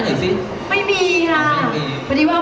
มีปิดฟงปิดไฟแล้วถือเค้กขึ้นมา